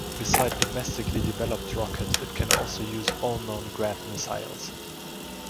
Beside domestically developed rocket it can also use all known Grad missiles.